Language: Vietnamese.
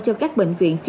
chị là bà cố